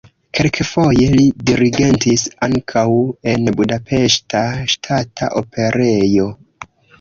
Kelkfoje li dirigentis ankaŭ en Budapeŝta Ŝtata Operejo.